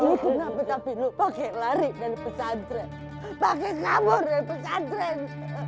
maafin tapi lu pake lari dari pesantren pake kamu dari pesantren